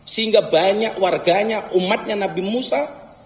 sehingga banyak warganya umatnya nabi musa